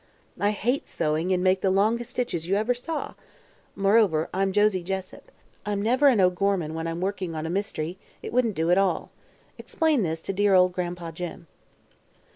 (I hate sewing and make the longest stitches you ever saw!) Moreover, I'm Josie Jessup. I'm never an O'Gorman while I'm working on a mystery; it wouldn't do at all. Explain this to dear old Gran'pa Jim.